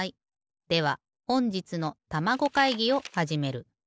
ではほんじつのたまご会議をはじめる。